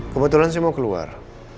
kebetulan saya mau keluar